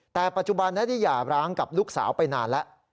แต่ปัจจุบันได้หย่าร้างกับลูกสาวไปนานแล้ว